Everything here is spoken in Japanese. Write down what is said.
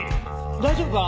大丈夫か？